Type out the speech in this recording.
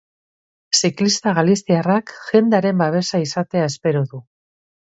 Ziklista galiziarrak jendearen babesa izatea espero du.